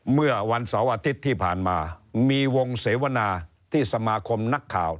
เมื่อวันเสาร์อาทิตย์ที่ผ่านมามีวงเสวนาที่สมาคมนักข่าว